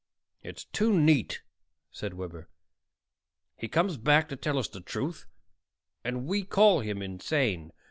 "It's too neat," said Webber. "He comes back to tell us the truth, and we call him insane.